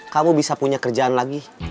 kamu bisa punya kerjaan lagi